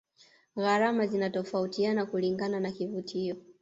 gharama zinatofautiana kulingana na kivutio